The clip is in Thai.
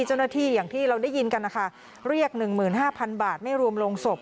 เจ้าหน้าที่อย่างที่เราได้ยินกันนะคะเรียกหนึ่งหมื่นห้าพันบาทไม่รวมลงสบ